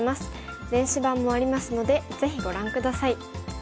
電子版もありますのでぜひご覧下さい。